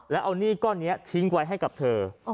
แล้วเอาหนี้ก้อนนี้ทิ้งไว้ให้กับเธอ